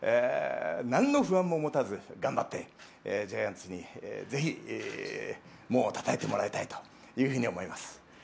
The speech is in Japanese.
何の不安も持たず、頑張ってジャイアンツにぜひ門をたたいてもらいたいというふうに思います。